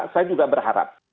saya juga berharap